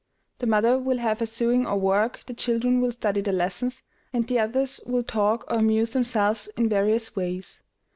The mother will have her sewing or work, the children will study their lessons, and the others will talk or amuse themselves in various ways.